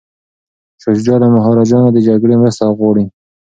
شاه شجاع له مهاراجا نه د جګړې مرسته غواړي.